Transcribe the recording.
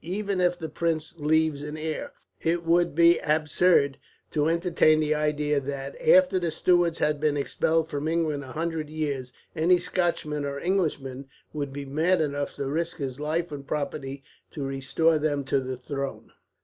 Even if the prince leaves an heir, it would be absurd to entertain the idea that, after the Stuarts have been expelled from England a hundred years, any Scotchman or Englishman would be mad enough to risk life and property to restore them to the throne.